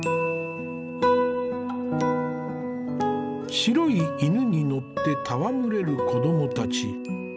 白い犬に乗って戯れる子供たち。